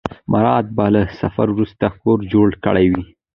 مراد به له سفر وروسته کور جوړ کړی وي.